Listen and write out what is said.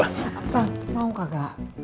apa mau gak